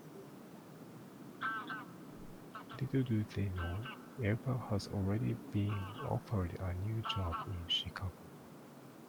Little do they know Eva has already been offered a new job in Chicago.